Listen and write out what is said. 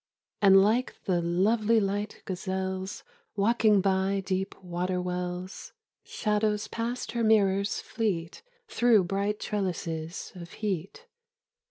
And like the lovely light gazelles Walking by deep water wells, Shadows past her mirrors fleet Through bright treUises of heat.